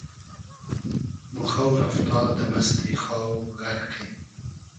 مۉ خۆ رئفتا دۂ مئستی خاو غئرقی